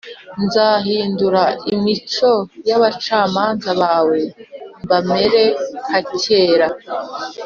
Nzahindura imico y’abacamanza bawe bamere nka kera,